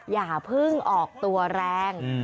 อย่าเพิ่งออกตัวแรง